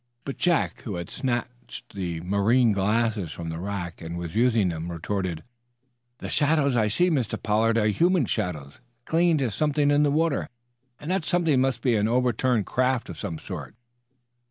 But Jack, who had snatched the marine glasses from the rack, and was using them, retorted: "The shadows I see, Mr. Pollard, are human shadows, clinging to something in the water, and that something must be an overturned craft of some sort."